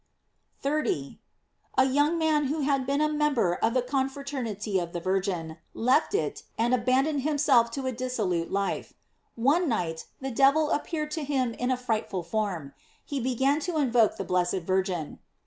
* 30. — A young man who had been a member of the confraternity of the Virgin, left it, and abandoned himself to a dissolute life. One night the devil appeared to him in a frightful form. He began to invoke the blessed Virgin.